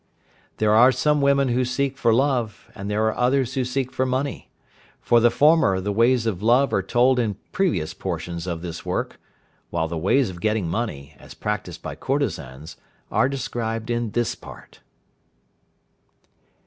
"There are some women who seek for love, and there are others who seek for money; for the former the ways of love are told in previous portions of this work, while the ways of getting money, as practised by courtesans, are described in this Part."